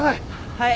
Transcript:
はい。